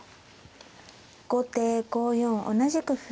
後手５四同じく歩。